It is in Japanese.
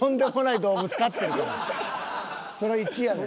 そら１位やねん。